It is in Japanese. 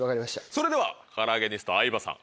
それではカラアゲニスト相葉さん